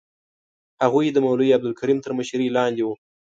هغوی د مولوي عبدالکریم تر مشرۍ لاندې وو.